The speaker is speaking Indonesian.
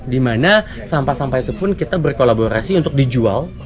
dimana sampah sampah itu pun kita berkolaborasi untuk dijual